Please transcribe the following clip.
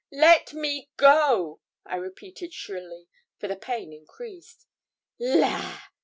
'Let me go,' I repeated shrilly, for the pain increased. 'La!'